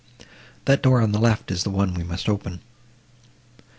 That door on the left is the one we must open."